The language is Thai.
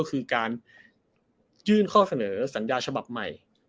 ก็คือการยื่นข้อเสนอสัญญาฉบับใหม่